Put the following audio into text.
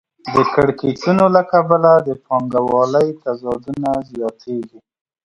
د کړکېچونو له کبله د پانګوالۍ تضادونه زیاتېږي